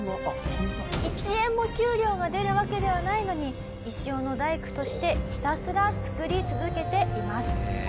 １円も給料が出るわけではないのに石斧大工としてひたすら作り続けています。